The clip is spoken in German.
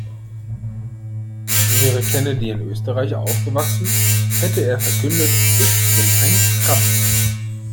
Wäre Kennedy in Österreich aufgewachsen, hätte er verkündet: Ich bin ein Krapfen!